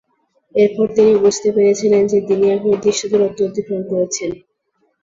এরপর তিনি বুঝতে পেরেছিলেন যে, তিনি এক নির্দিষ্ট দূরত্ব অতিক্রম করেছেন।